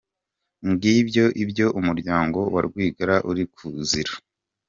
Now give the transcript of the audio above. Ngibyo ibyo umuryango wa Rwigara uri kuzira.